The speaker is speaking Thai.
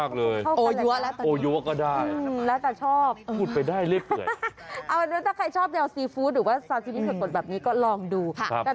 หรือว่าซาร์ทซีวิชผลปฏิบัตรแบบนี้ก็ลองดู